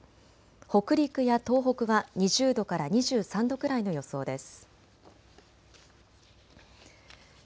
北陸や東北は２０度から２３度くらいの予想です。